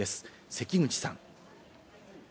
関口さん。